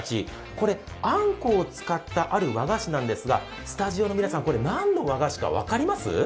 これ、あんこを使ったある和菓子なんですがスタジオの皆さん、何の和菓子か分かります？